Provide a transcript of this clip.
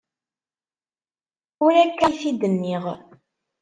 Ur akka ay t-id-nniɣ.